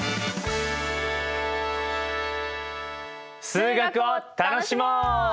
数学を楽しもう！